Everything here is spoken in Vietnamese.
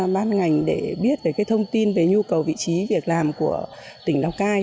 ban ngành để biết về thông tin về nhu cầu vị trí việc làm của tỉnh lào cai